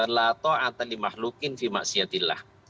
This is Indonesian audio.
lato atali mahlukin fi maksiatillah